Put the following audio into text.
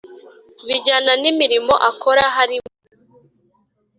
bijyana n imirimo akora harimo